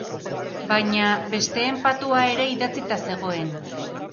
Baina besteen patua ere idatzita zegoen.